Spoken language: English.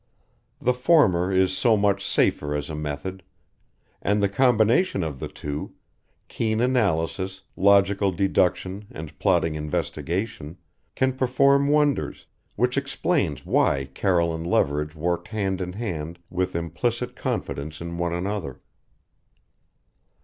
The former is so much safer as a method. And the combination of the two keen analysis, logical deduction and plodding investigation can perform wonders, which explains why Carroll and Leverage worked hand in hand with implicit confidence in one another.